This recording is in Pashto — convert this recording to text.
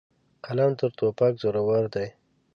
قلم تر توپک زورور دی.